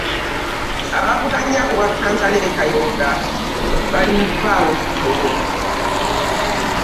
Abavuganya ku bwa kkansala e Kayunga bali mu Vvaawo Mpitawo.